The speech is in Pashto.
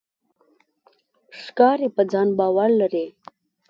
ښکاري په ځان باور لري.